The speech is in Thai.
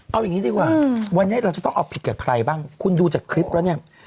เอาอย่างนี้ดีกว่าวันนี้เราจะต้องเอาผิดกับใครบ้างคุณดูจากคลิปแล้วเนี่ย